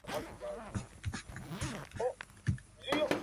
He finishes restoring an antebellum-style house, after his father's death.